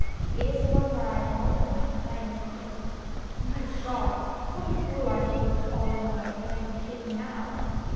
It is the one where I am all in white, playing with a kitten. My God ! What a fool I should look all in white, playing with a kitten now